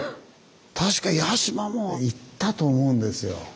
確か屋島も行ったと思うんですよ。